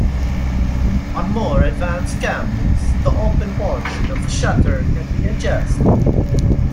On more advanced cameras the open portion of the shutter can be adjusted.